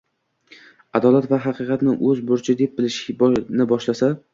adolat va haqiqatni o‘z burchi deb bilishni boshlasa